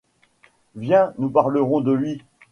Viens ; nous parlerons de lui.